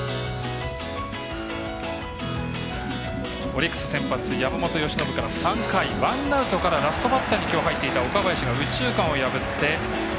オリックス先発山本由伸から３回、ワンアウトからラストバッターにきょう入っていた岡林が右中間を破って。